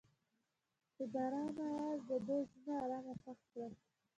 د باران اواز د دوی زړونه ارامه او خوښ کړل.